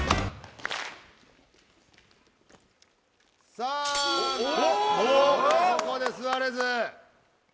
さあ松尾がここで座れず。